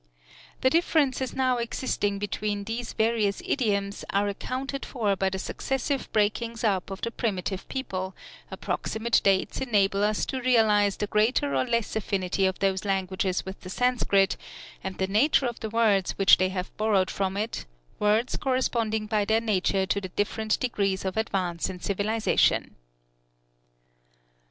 The differences now existing between these various idioms are accounted for by the successive breakings up of the primitive people, approximate dates enable us to realize the greater or less affinity of those languages with the Sanskrit, and the nature of the words which they have borrowed from it, words corresponding by their nature to the different degrees of advance in civilization.